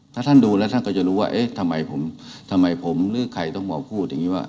ถ้าท่านดูแล้วท่านก็จะรู้ว่าเอ๊ะทำไมผมทำไมผมหรือใครต้องมาพูดอย่างนี้ว่า